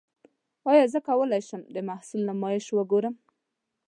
ایا زه کولی شم د محصول نمایش وګورم؟